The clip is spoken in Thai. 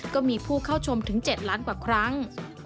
ก็มีผู้เข้าชมถึง๗ล้านกว่าครั้ง